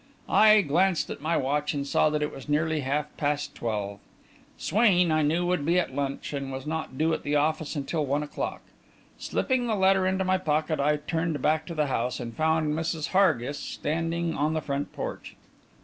I glanced at my watch and saw that it was nearly half past twelve. Swain, I knew, would be at lunch, and was not due at the office until one o'clock. Slipping the letter into my pocket, I turned back to the house, and found Mrs. Hargis standing on the front porch.